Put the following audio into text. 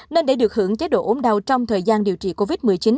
nên để được hưởng chế độ ốm đau trong thời gian điều trị covid một mươi chín